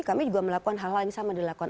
kami juga melakukan hal hal yang sama dilakukan